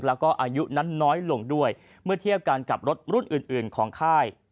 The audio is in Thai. แล้วก็อายุนั้นน้อยลงด้วยเมื่อเทียบกันกับรถรุ่นอื่นของค่าย